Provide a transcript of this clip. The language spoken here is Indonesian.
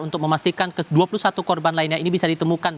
untuk memastikan ke dua puluh satu korban lainnya ini bisa ditemukan